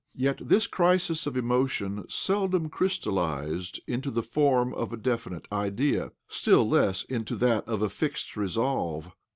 Yet this crisis of emotion seldtom crystallized into the form' of a definite idea— still less into that of a fixed resolve.